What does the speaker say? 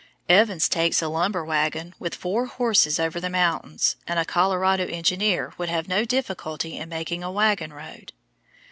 Evans takes a lumber wagon with four horses over the mountains, and a Colorado engineer would have no difficulty in making a wagon road.